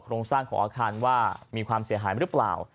โรงสร้างของอาคารว่ามีความเสียหายหรือเปล่า